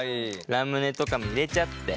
ラムネとかも入れちゃって。